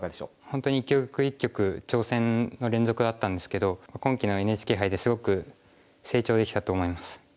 本当に一局一局挑戦の連続だったんですけど今期のＮＨＫ杯ですごく成長できたと思います。